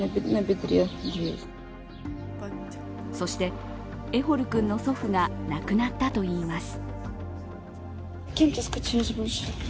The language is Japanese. そしてエホル君の祖父が亡くなったといいます。